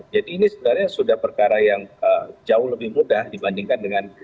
jadi ini sebenarnya sudah perkara yang jauh lebih mudah dibandingkan dengan